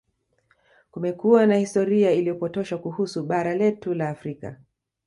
Kumekuwa na historia iliyopotoshwa kuhusu bara letu la Afrika